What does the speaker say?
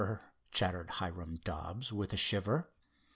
chattered Hiram Dobbs, with a shiver.